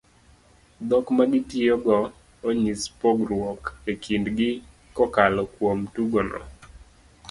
dhok magitiyogo onyis pogruok e kindgi kokalo kuom tugo no